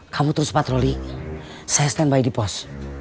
kamu terus patroli saya stand by di pos